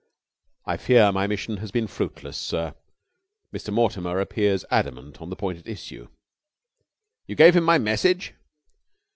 "I fear my mission has been fruitless, sir. Mr. Mortimer appears adamant on the point at issue." "You gave him my message?"